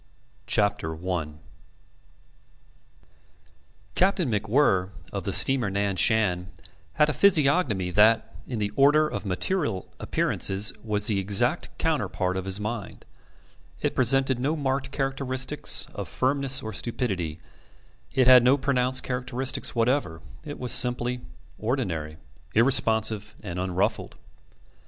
TYPHOON I Captain MacWhirr, of the steamer Nan Shan, had a physiognomy that, in the order of material appearances, was the exact counterpart of his mind: it presented no marked characteristics of firmness or stupidity; it had no pronounced characteristics whatever; it was simply ordinary, irresponsive, and unruffled.